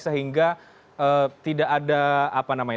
sehingga tidak ada yang bisa dikonsumsi